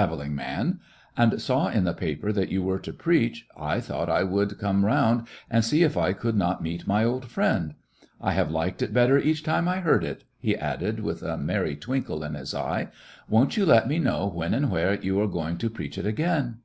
When I made this town— I am a travelling man— and saw in the paper that you were to preach, I thought I would come around and see if I could not meet my old friend. I have liked it better each time I heard it," he added, with a merry twinkle in his eye. "Won't you let me know when and where you are going to preach it again?"